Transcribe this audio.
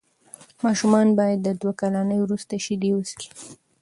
ماشومان باید د دوه کلنۍ وروسته شیدې وڅښي.